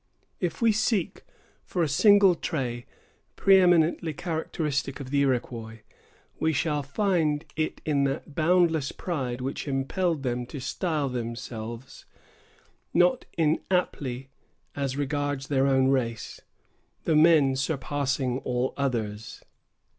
If we seek for a single trait preëminently characteristic of the Iroquois, we shall find it in that boundless pride which impelled them to style themselves, not inaptly as regards their own race, "the men surpassing all others."